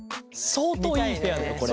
相当いいペアだよこれ。